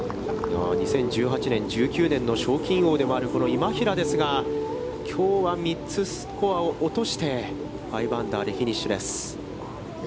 ２０１８年、１９年の賞金王であるこの今平ですが、きょうは３つ、スコアを落として、５アンダーでフィニッシュです。